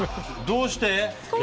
どうして？